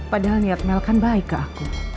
padahal niat mel kan baik ke aku